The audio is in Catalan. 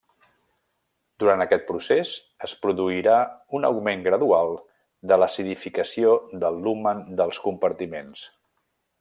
Durant aquest procés es produirà un augment gradual de l'acidificació del lumen dels compartiments.